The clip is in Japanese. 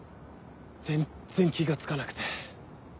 全然気が付かなくて。